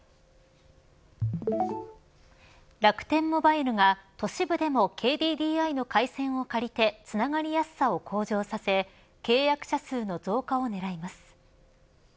楽天モバイルが都市部でもＫＤＤＩの回線を借りてつながりやすさを向上させ契約者数の増加を狙います。